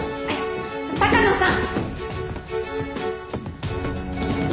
鷹野さん！